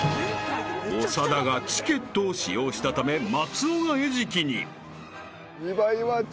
［長田がチケットを使用したため松尾が餌食に］